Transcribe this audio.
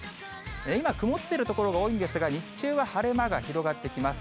今、曇っている所が多いんですが、日中は晴れ間が広がってきます。